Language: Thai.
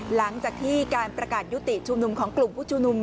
หลังจากที่การประกาศยุติชุมนุมของกลุ่มผู้ชุมนุม